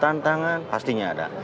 tantangan pastinya ada